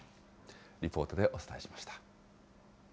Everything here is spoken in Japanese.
リポートでお伝えしました。